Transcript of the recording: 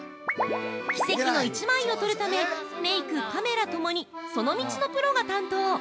◆奇跡の１枚を撮るためメイク・カメラともにその道のプロが担当。